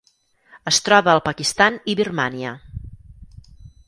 Es troba al Pakistan i Birmània.